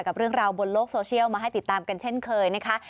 กับเรื่องราวบนโลกโซเชียลมาให้ติดตามกันเช่นเคยนะคะ